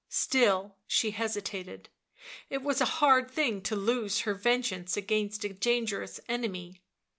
77 Still she hesitated; it was a hard thing to lose her vengeance against a dangerous enemy.